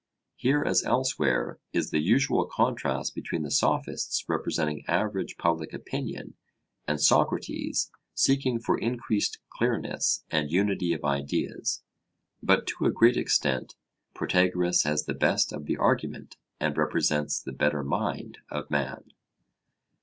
Here as elsewhere is the usual contrast between the Sophists representing average public opinion and Socrates seeking for increased clearness and unity of ideas. But to a great extent Protagoras has the best of the argument and represents the better mind of man.